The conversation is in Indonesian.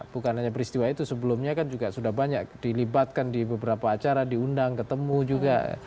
bukan hanya peristiwa itu sebelumnya kan juga sudah banyak dilibatkan di beberapa acara diundang ketemu juga